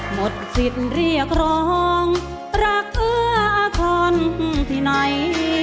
หมดสิทธิ์เรียกร้องรักเพื่อคนที่ไหน